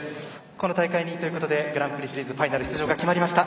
この大会２位ということでグランプリファイナル出場が決まりました。